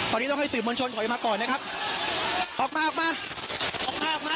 ตอนนี้ต้องให้สื่อมวลชนถอยมาก่อนนะครับออกมาออกมาออกมาออกมา